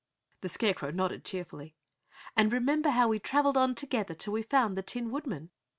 The Scarecrow nodded cheerfully. "And remember how we travelled on together till we found the Tin Woodman?"